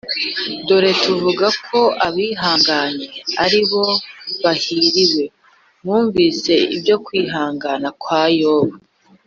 Dore tuvuga ko abihanganye ari bo bahiriwe Mwumvise ibyo kwihangana kwa Yobu